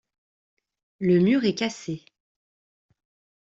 Le mur est cassé.